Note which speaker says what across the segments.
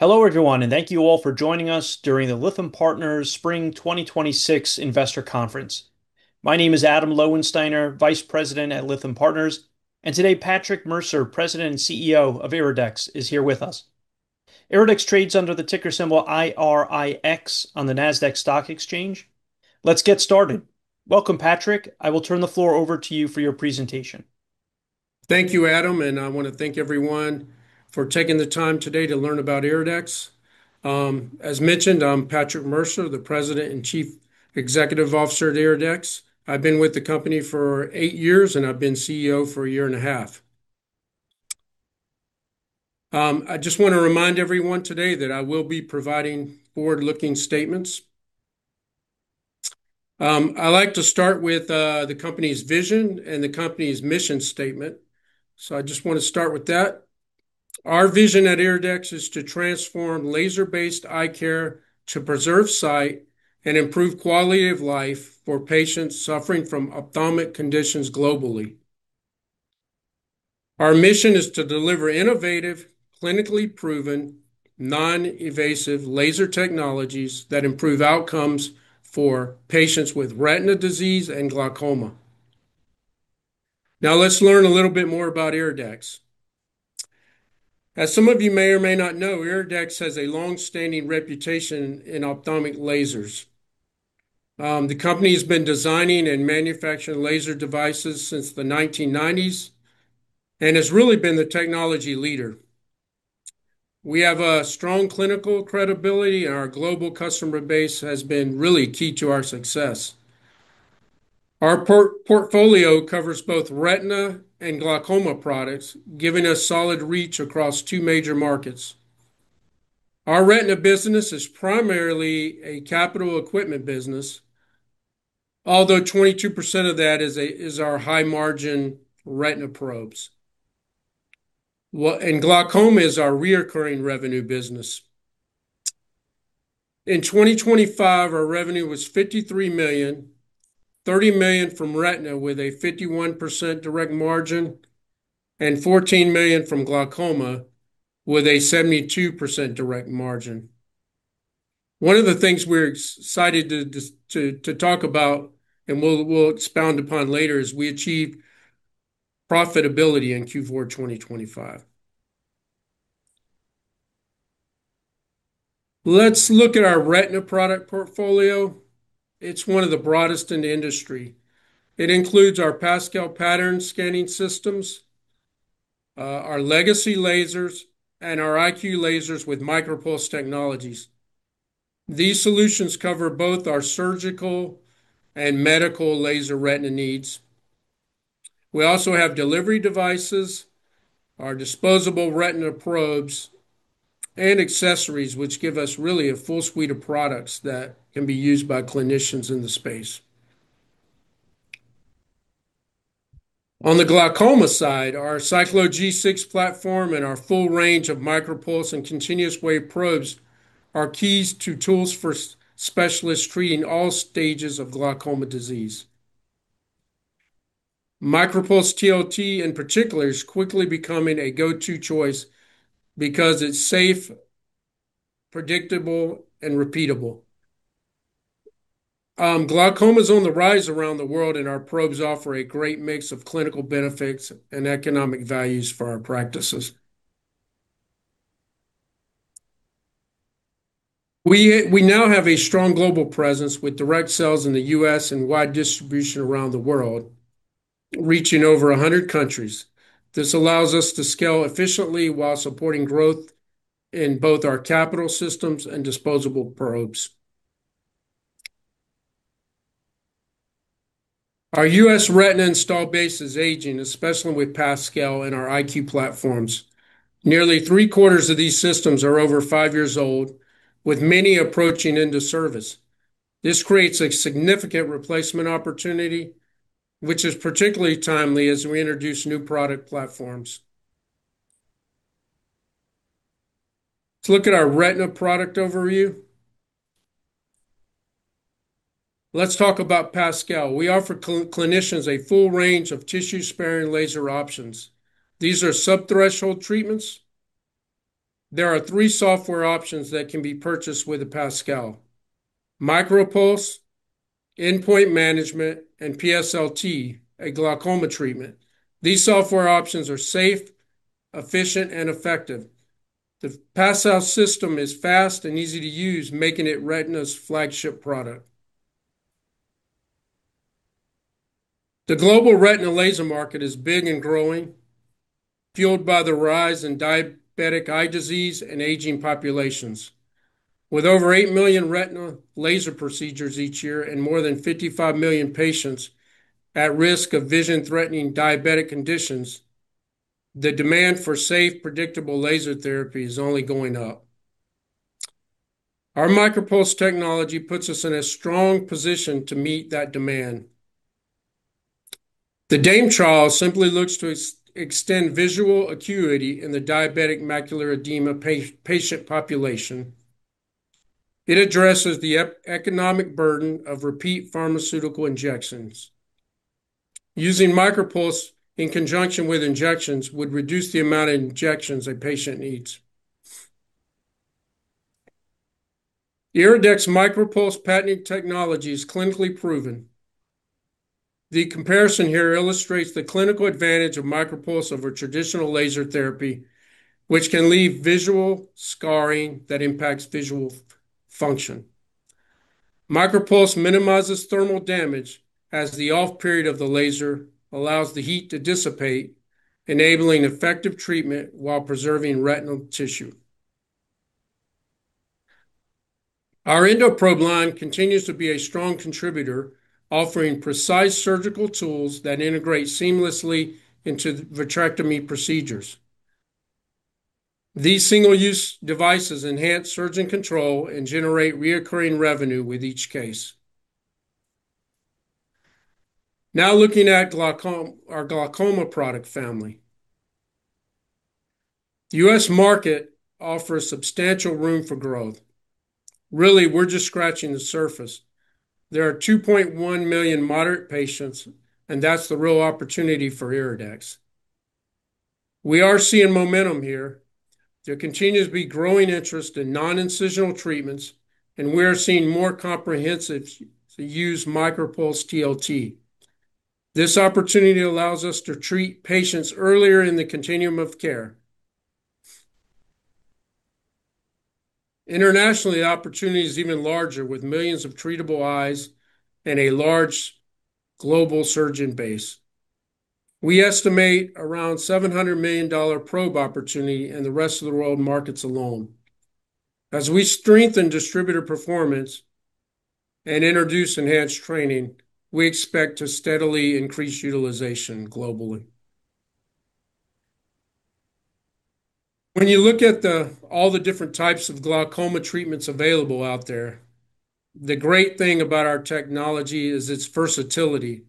Speaker 1: Hello, everyone, thank you all for joining us during the Lytham Partners Spring 2026 investor conference. My name is Adam Lowensteiner, Vice President at Lytham Partners. Today, Patrick Mercer, President and CEO of IRIDEX is here with us. IRIDEX trades under the ticker symbol IRIX on the Nasdaq Stock Exchange. Let's get started. Welcome, Patrick. I will turn the floor over to you for your presentation.
Speaker 2: Thank you, Adam. I want to thank everyone for taking the time today to learn about IRIDEX. As mentioned, I'm Patrick Mercer, the President and Chief Executive Officer at IRIDEX. I've been with the company for eight years. I've been CEO for a year and a half. I just want to remind everyone today that I will be providing forward-looking statements. I'd like to start with the company's vision and the company's mission statement. I just want to start with that. Our vision at IRIDEX is to transform laser-based eye care to preserve sight and improve quality of life for patients suffering from ophthalmic conditions globally. Our mission is to deliver innovative, clinically proven, non-invasive laser technologies that improve outcomes for patients with retinal diseases and glaucoma. Let's learn a little bit more about IRIDEX. As some of you may or may not know, IRIDEX has a longstanding reputation in ophthalmic lasers. The company has been designing and manufacturing laser devices since the 1990s and has really been the technology leader. We have a strong clinical credibility, and our global customer base has been really key to our success. Our portfolio covers both retina and glaucoma products, giving us solid reach across two major markets. Our retina business is primarily a capital equipment business, although 22% of that is our high-margin retina probes. Glaucoma is our reoccurring revenue business. In 2025, our revenue was $53 million, $30 million from retina with a 51% direct margin, and $14 million from glaucoma with a 72% direct margin. One of the things we're excited to talk about, and we'll expound upon later, is we achieved profitability in Q4 2025. Let's look at our retina product portfolio. It's one of the broadest in the industry. It includes our PASCAL pattern scanning systems, our legacy lasers, and our IQ lasers with MicroPulse technologies. These solutions cover both our surgical and medical laser retina needs. We also have delivery devices, our disposable retina probes, and accessories, which give us really a full suite of products that can be used by clinicians in the space. On the glaucoma side, our Cyclo G6 platform and our full range of MicroPulse and continuous wave probes are keys to tools for specialists treating all stages of glaucoma disease. MicroPulse TLT in particular is quickly becoming a go-to choice because it's safe, predictable, and repeatable. Glaucoma's on the rise around the world. Our probes offer a great mix of clinical benefits and economic values for our practices. We now have a strong global presence with direct sales in the U.S. and wide distribution around the world, reaching over 100 countries. This allows us to scale efficiently while supporting growth in both our capital systems and disposable probes. Our U.S. retina install base is aging, especially with PASCAL and our IQ platforms. Nearly three-quarters of these systems are over five years old, with many approaching end of service. This creates a significant replacement opportunity, which is particularly timely as we introduce new product platforms. Let's look at our retina product overview. Let's talk about PASCAL. We offer clinicians a full range of tissue-sparing laser options. These are sub-threshold treatments. There are three software options that can be purchased with a PASCAL: MicroPulse, Endpoint Management, and PSLT, a glaucoma treatment. These software options are safe, efficient, and effective. The PASCAL system is fast and easy to use, making it retina's flagship product. The global retina laser market is big and growing, fueled by the rise in diabetic eye disease and aging populations. With over 8 million retina laser procedures each year and more than 55 million patients at risk of vision-threatening diabetic conditions, the demand for safe, predictable laser therapy is only going up. Our MicroPulse technology puts us in a strong position to meet that demand. The DME trial simply looks to extend visual acuity in the diabetic macular edema patient population. It addresses the economic burden of repeat pharmaceutical injections. Using MicroPulse in conjunction with injections would reduce the amount of injections a patient needs. IRIDEX MicroPulse patented technology is clinically proven. The comparison here illustrates the clinical advantage of MicroPulse over traditional laser therapy, which can leave visual scarring that impacts visual function. MicroPulse minimizes thermal damage, as the off period of the laser allows the heat to dissipate, enabling effective treatment while preserving retinal tissue. Our EndoProbe line continues to be a strong contributor, offering precise surgical tools that integrate seamlessly into vitrectomy procedures. These single-use devices enhance surgeon control and generate reoccurring revenue with each case. Now looking at our glaucoma product family. The U.S. market offers substantial room for growth. Really, we're just scratching the surface. There are 2.1 million moderate patients, and that's the real opportunity for IRIDEX. We are seeing momentum here. There continues to be growing interest in non-incisional treatments, and we are seeing more comprehensive use MicroPulse TLT. This opportunity allows us to treat patients earlier in the continuum of care. Internationally, the opportunity is even larger, with millions of treatable eyes and a large global surgeon base. We estimate around $700 million probe opportunity in the rest of the world markets alone. As we strengthen distributor performance and introduce enhanced training, we expect to steadily increase utilization globally. When you look at all the different types of glaucoma treatments available out there, the great thing about our technology is its versatility.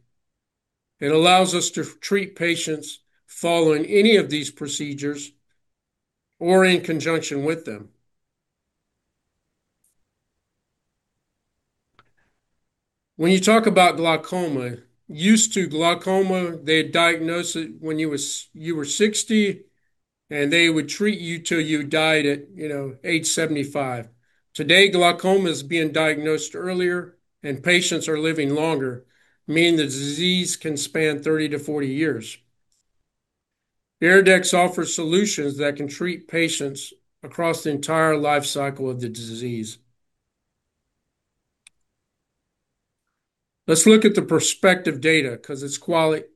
Speaker 2: It allows us to treat patients following any of these procedures or in conjunction with them. When you talk about glaucoma, used to, glaucoma, they had diagnosed it when you were 60, and they would treat you till you died at age 75. Today, glaucoma is being diagnosed earlier and patients are living longer, meaning the disease can span 30-40 years. IRIDEX offers solutions that can treat patients across the entire life cycle of the disease. Let's look at the prospective data because it's quite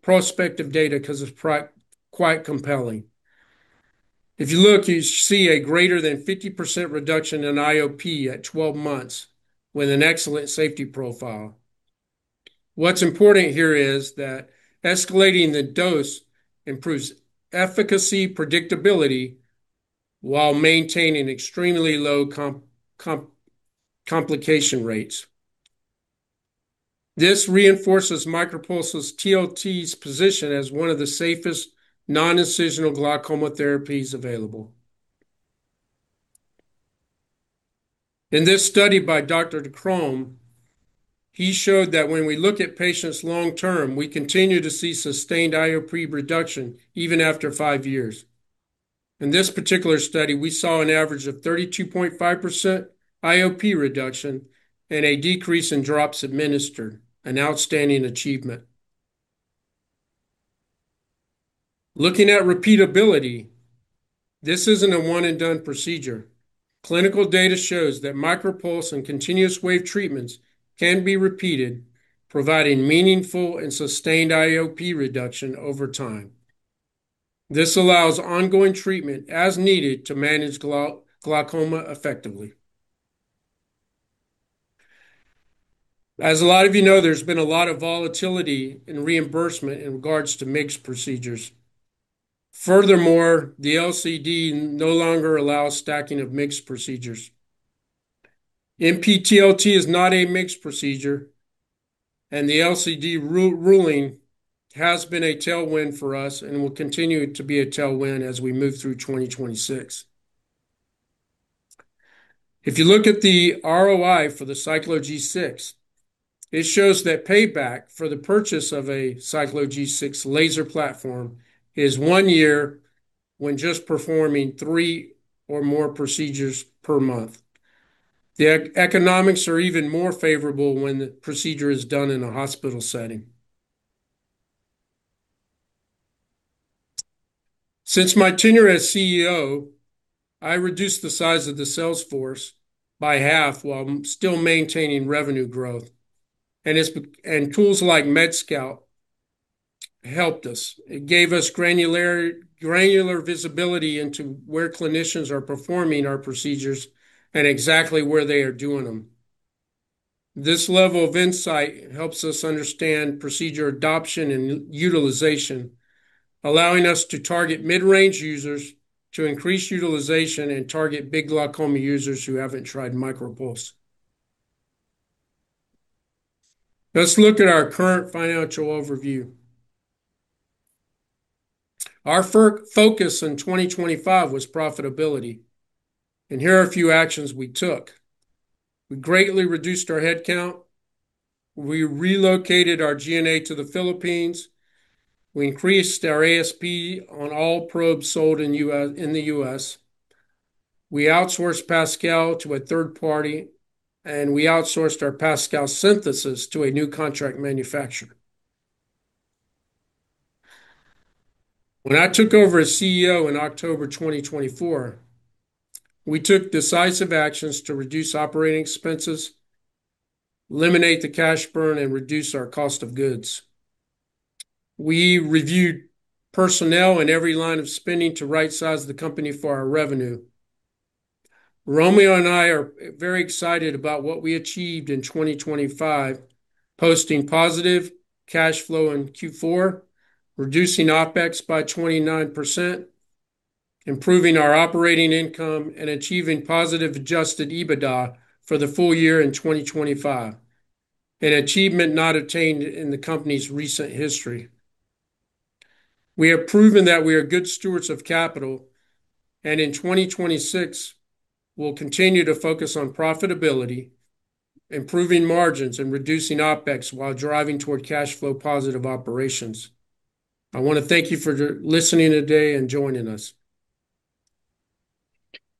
Speaker 2: compelling. If you look, you see a greater than 50% reduction in IOP at 12 months with an excellent safety profile. What's important here is that escalating the dose improves efficacy predictability while maintaining extremely low complication rates. This reinforces MicroPulse TLT's position as one of the safest non-incisional glaucoma therapies available. In this study by Dr. Noecker, he showed that when we look at patients long-term, we continue to see sustained IOP reduction even after five years. In this particular study, we saw an average of 32.5% IOP reduction and a decrease in drops administered, an outstanding achievement. Looking at repeatability, this isn't a one-and-done procedure. Clinical data shows that MicroPulse and continuous wave treatments can be repeated, providing meaningful and sustained IOP reduction over time. This allows ongoing treatment as needed to manage glaucoma effectively. As a lot of you know, there's been a lot of volatility in reimbursement in regards to MIGS procedures. Furthermore, the LCD no longer allows stacking of mixed procedures. MP-TLT is not a mixed procedure, and the LCD ruling has been a tailwind for us and will continue to be a tailwind as we move through 2026. If you look at the ROI for the Cyclo G6, it shows that payback for the purchase of a Cyclo G6 laser platform is one year when just performing three or more procedures per month. The economics are even more favorable when the procedure is done in a hospital setting. Since my tenure as CEO, I reduced the size of the sales force by half while still maintaining revenue growth. Tools like MedScout helped us. It gave us granular visibility into where clinicians are performing our procedures and exactly where they are doing them. This level of insight helps us understand procedure adoption and utilization, allowing us to target mid-range users to increase utilization and target big glaucoma users who haven't tried MicroPulse. Let's look at our current financial overview. Our focus in 2025 was profitability, and here are a few actions we took. We greatly reduced our headcount. We relocated our G&A to the Philippines. We increased our ASP on all probes sold in the U.S. We outsourced PASCAL to a third party, and we outsourced our PASCAL Synthesis to a new contract manufacturer. When I took over as CEO in October 2024, we took decisive actions to reduce operating expenses, eliminate the cash burn, and reduce our cost of goods. We reviewed personnel in every line of spending to rightsize the company for our revenue. Romeo and I are very excited about what we achieved in 2025, posting positive cash flow in Q4, reducing OpEx by 29%, improving our operating income, and achieving positive adjusted EBITDA for the full year in 2025, an achievement not attained in the company's recent history. We have proven that we are good stewards of capital, and in 2026, we'll continue to focus on profitability, improving margins, and reducing OpEx while driving toward cash flow positive operations. I want to thank you for listening today and joining us.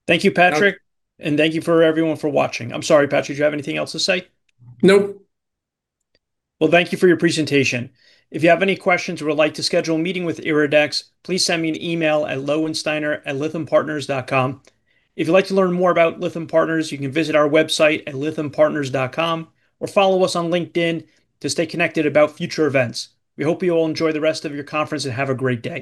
Speaker 1: Thank you, Patrick. Thank you for everyone for watching. I'm sorry, Patrick, do you have anything else to say?
Speaker 2: Nope.
Speaker 1: Well, thank you for your presentation. If you have any questions or would like to schedule a meeting with IRIDEX, please send me an email at lowensteiner@lythampartners.com. If you'd like to learn more about Lytham Partners, you can visit our website at lythampartners.com or follow us on LinkedIn to stay connected about future events. We hope you all enjoy the rest of your conference. Have a great day.